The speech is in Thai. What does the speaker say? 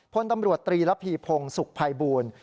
พ่นตำรวจตรีรับหีพงศ์สุขภัยบูรณ์